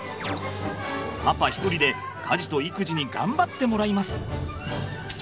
パパ一人で家事と育児に頑張ってもらいます。